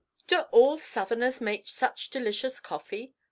XIV "Do all Southerners make such delicious coffee?"